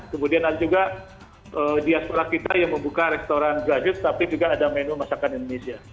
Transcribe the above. kemudian ada juga dia sekolah kita yang membuka restoran brazil tapi juga ada menu masakan indonesia